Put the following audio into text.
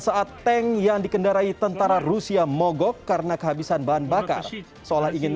saat tank yang dikendarai tentara rusia mogok karena kehabisan bahan bakar seolah ingin